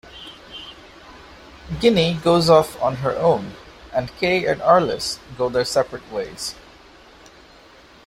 Ginnie goes off on her own, and Kay and Arlis go their separate ways.